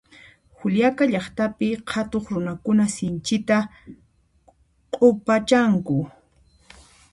Juliaca llaqtapi qhatuq runakuna sinchita q'upachanku